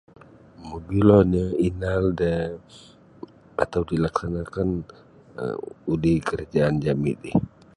Mogilo nio inaal da atau dilaksanakan um di kerajaan jami.